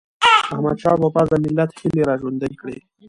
احمدشاه بابا د ملت هيلي را ژوندی کړي.